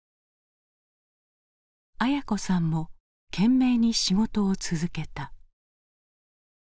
文子さんも懸命に仕事を続けた。